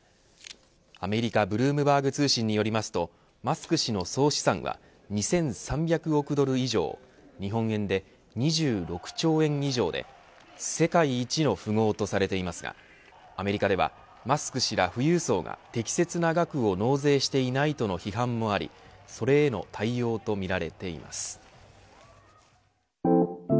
アメリカ、ブルームバーグ通信によりますとマスク氏の総資産は２３００億ドル以上日本円で２６兆円以上で世界一の富豪とされていますがアメリカではマスク氏ら富裕層が適切な額を納税していないとの批判もありそれへの対応とみられています。